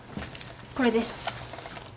これです。